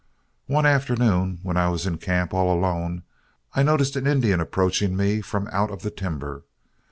"One afternoon when I was in camp all alone, I noticed an Indian approaching me from out of the timber.